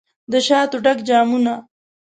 دشاتو ډک جامونه